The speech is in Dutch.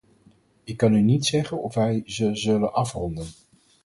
Ik kan u niet zeggen of wij ze zullen afronden.